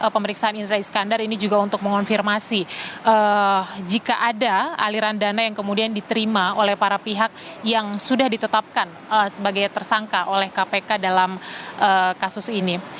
pemeriksaan indra iskandar ini juga untuk mengonfirmasi jika ada aliran dana yang kemudian diterima oleh para pihak yang sudah ditetapkan sebagai tersangka oleh kpk dalam kasus ini